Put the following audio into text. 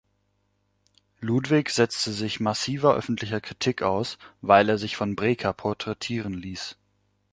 Ludwig setzte sich massiver öffentlicher Kritik aus, weil er sich von Breker porträtieren ließ.